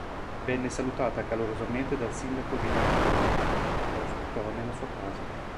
Venne salutata calorosamente dal sindaco di Maratona, che la ospitò nella sua casa.